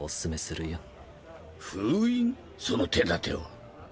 その手だては？